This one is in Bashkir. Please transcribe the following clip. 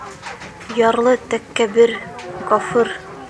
Ярлы тәкәббер, кафыр.